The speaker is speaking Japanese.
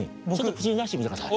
口に出してみてください。